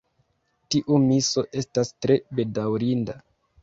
Tiu miso estas tre bedaŭrinda.